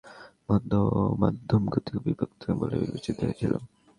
তার কিছু বক্তব্য বেশ কিছু রাজনীতিবিদ এবং মূলধারার সংবাদ-মাধ্যম কর্তৃক বিতর্কিত বলে বিবেচিত হয়েছিল।